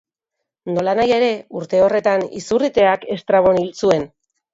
Nolanahi ere, urte horretan izurriteak Estrabon hil zuen.